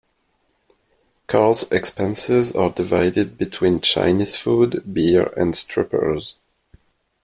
Carl's expenses are divided between Chinese food, beer and strippers.